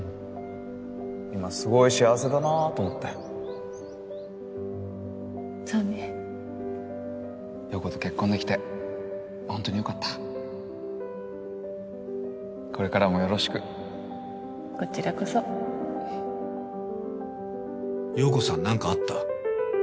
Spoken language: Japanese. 今すごい幸せだなぁと思ってそうね陽子と結婚できてホントによかったこれからもよろしくこちらこそ陽子さん何かあった？